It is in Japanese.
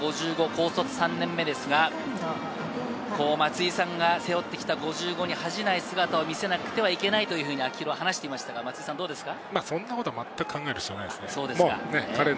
高卒３年目ですが、松井さんが背負ってきた５５に恥ない姿を見せなくてはいけないというふうに秋広は話していましたが、どうですか？